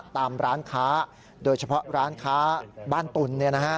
ตามร้านค้าโดยเฉพาะร้านค้าบ้านตุ๋น